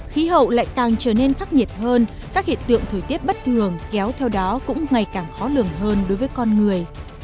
khí hậu lại càng trở nên khắc nghiệt hơn các hiện tượng thời tiết bất thường kéo theo đó cũng ngày càng khó lường hơn đối với con người